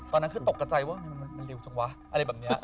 ตอนนั้นคือตกกระใจว่ามันเร็วจังวะอะไรแบบนี้